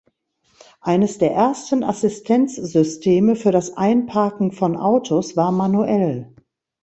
Eines der ersten Assistenzsysteme für das Einparken von Autos war manuell.